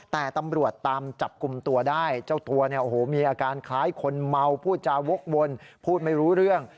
แต่ตำรวจตามจับกลุ่มตัวได้เจ้าตัวเนี่ยโอ้โหมีอาการคล้ายคนเมาพูดจาวกวนพูดไม่รู้เรื่อง